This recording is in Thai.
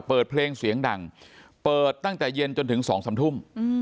เปิดเพลงเสียงดังเปิดตั้งแต่เย็นจนถึง๒๓ทุ่ม